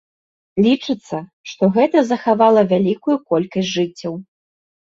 Лічыцца, што гэта захавала вялікую колькасць жыццяў.